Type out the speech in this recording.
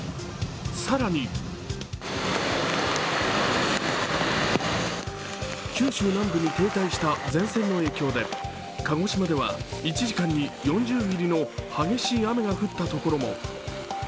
更に九州南部に停滞した前線の影響で、鹿児島では１時間に４０ミリの激しい雨が降った所も。